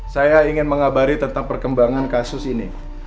saya ingin mengabari tentang perkembangan kasus ini